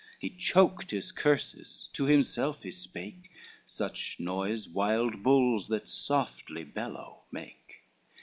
He choked his curses, to himself he spake, Such noise wild bulls that softly bellow make.